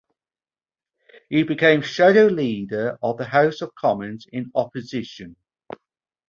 He became Shadow Leader of the House of Commons in opposition.